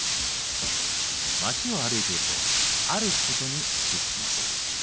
街を歩いているとあることに気付きます。